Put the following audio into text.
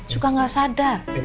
suka gak sadar